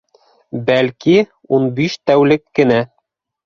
Бәлки, ун биш тәүлек кенә